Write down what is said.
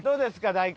大根。